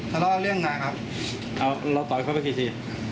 ทะเลาะเรื่องงานครับเราต่อยเขาไปกี่ที